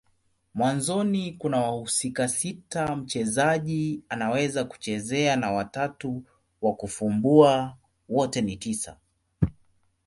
Mwanzoni kuna wahusika sita mchezaji anaweza kuchezea na watatu wa kufumbua. Wote ni tisa.